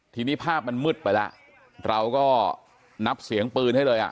ทีนี้ภาพมันมืดไปแล้วเราก็นับเสียงปืนให้เลยอ่ะ